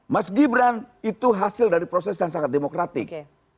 mas gibran itu hasil dari proses yang sangat demokratik